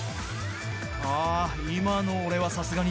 今の俺はさすがに。